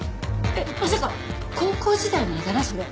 えっまさか高校時代のあだ名？